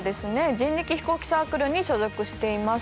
人力飛行機サークルに所属しています。